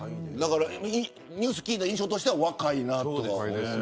ニュースを聞いた印象としては若いなと。